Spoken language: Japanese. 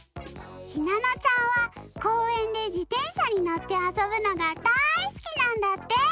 ひなのちゃんはこうえんでじてんしゃにのってあそぶのがだいすきなんだって！